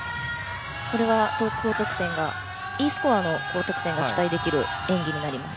これはＥスコアの高得点が期待できる演技になります。